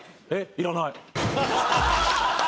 いらない。